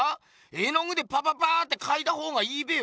絵の具でパパパってかいた方がいいべよ？